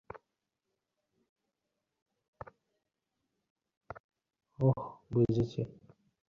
ছোটবাবু আজ মটরগাড়ি চাপাবে না লো, পিত্যেশ করে থেকে করবি কী?